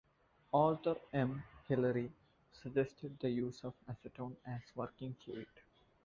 Arthur M. Hillery suggested the use of acetone as working fluid.